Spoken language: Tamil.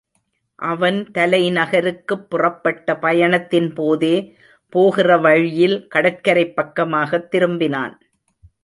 அவன் தலைநகருக்குப் புறப்பட்ட பயணத்தின் போதே போகிற வழியில் கடற்கரைப் பக்கமாகத் திரும்பினான்.